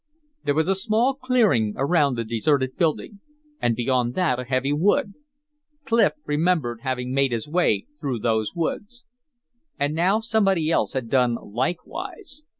There was a small clearing around the deserted building, and beyond that a heavy wood. Clif remembered having made his way through those woods. And now somebody else had done likewise.